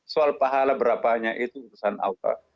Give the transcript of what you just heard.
soal pahala berapanya itu urusan allah